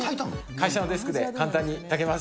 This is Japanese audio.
会社のデスクで簡単に炊けます。